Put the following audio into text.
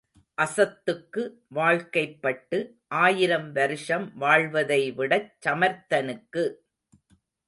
அசத்துக்கு வாழ்க்கைப்பட்டு ஆயிரம் வருஷம் வாழ்வதைவிடச் சமர்த்தனுக்கு.